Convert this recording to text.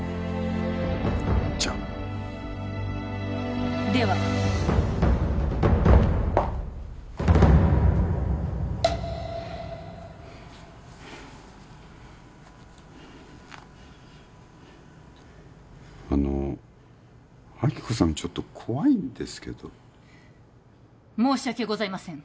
じゃあではあの亜希子さんちょっと怖いんですけど申し訳ございません